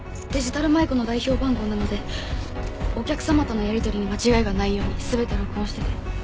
デジタル舞子の代表番号なのでお客様とのやりとりに間違いがないように全て録音してて。